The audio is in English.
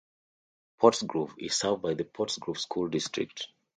Pottsgrove is served by the Pottsgrove School District.